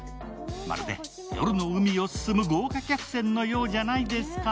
まるで夜の海を進む豪華客船のようじゃないですか。